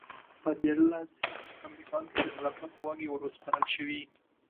په دیارلس ه ق کال کې د خلافت واګې وروسپارل شوې.